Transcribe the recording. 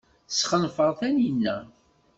Tesxenfer Taninna.